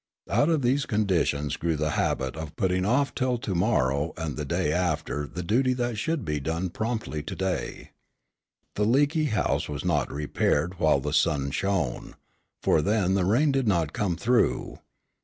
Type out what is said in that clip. Out of these conditions grew the habit of putting off till to morrow and the day after the duty that should be done promptly to day. The leaky house was not repaired while the sun shone, for then the rain did not come through.